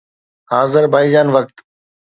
Azerbaijan وقت